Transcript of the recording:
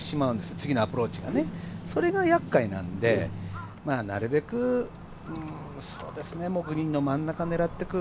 次のアプローチが、それが厄介なので、なるべくグリーンの真ん中を狙っていく。